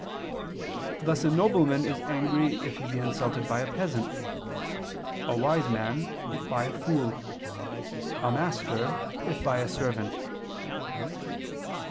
Thus a nobleman is angry if he be insulted by a peasant; a wise man, if by a fool; a master, if by a servant.